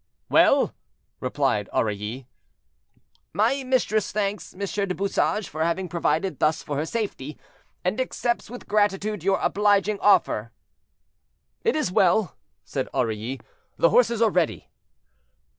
"Well!" replied Aurilly. "My mistress thanks M. du Bouchage for having provided thus for her safety, and accepts with gratitude your obliging offer." "It is well," said Aurilly, "the horses are ready."